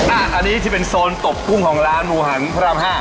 อันนี้ที่เป็นโซนตกกุ้งของร้านหมูหันพระราม๕